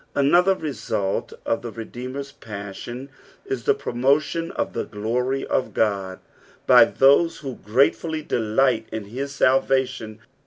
Another result of the Redeemer's passion is the promotion of the giory of God by those who grate fully delight in bis salvation.